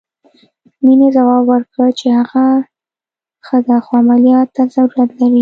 مينې ځواب ورکړ چې هغه ښه ده خو عمليات ته ضرورت لري.